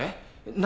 何？